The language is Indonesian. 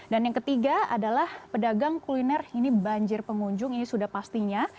dan yang ketiga adalah pedagang kuliner ini banjir pengunjung ini sudah pastinya